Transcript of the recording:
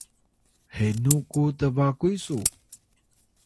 Hayung: henu ku tbakuy su?